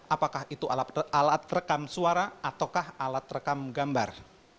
apakah itu alat rekam suara atau alat rekam gambar